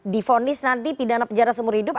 difonis nanti pidana penjara seumur hidup